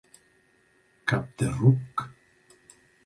Cap de ruc.